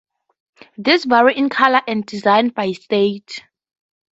These vary in colour and design by state.